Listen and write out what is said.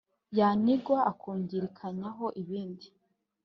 Yanigwa akungirikanyaho ibindi,